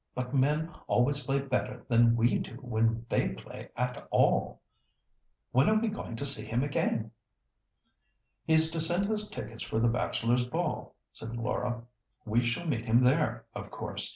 But men always play better than we do when they play at all. When are we going to see him again?" "He is to send us tickets for the Bachelors' Ball," said Laura. "We shall meet him there, of course.